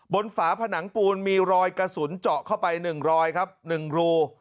บนฝาผนังปูนมีรอยกระสุนเจาะเข้าไป๑รู